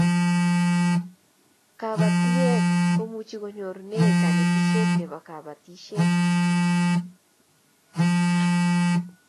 kabatiek komuchi konyorune kanetishet nebo kabatishiet